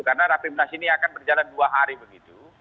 karena rapimnas ini akan berjalan dua hari begitu